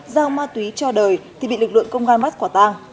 giao ma túy cho đời thì bị lực lượng công an mắc quả tàng